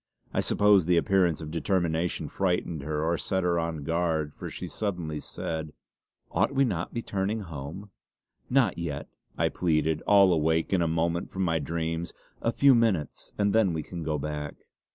I suppose the appearance of determination frightened her or set her on guard, for she suddenly said: "Ought we not to be turning home?" "Not yet!" I pleaded, all awake in a moment from my dreams. "A few minutes, and then we can go back."